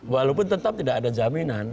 walaupun tetap tidak ada jaminan